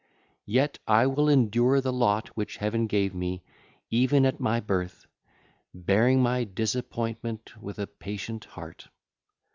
Yet I will endure the lot which heaven gave me even at my birth, bearing my disappointment with a patient heart.